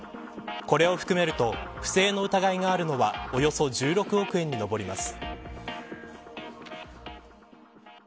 これを含めると不正の疑いがあるのは、およそ１６億円に上ります。